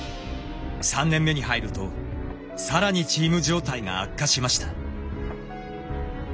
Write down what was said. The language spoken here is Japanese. ３年目に入るとさらにチーム状態が悪化しました。